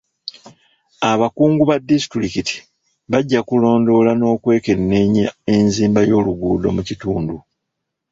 Abakungu ba disitulikiti bajja kulondoola n'okwekenneenya enzimba y'oluguudo mu kitundu.